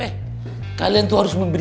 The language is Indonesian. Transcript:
eh kalian tuh harus memberikan diri